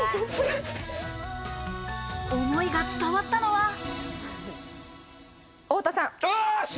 思いが伝わったのはよし！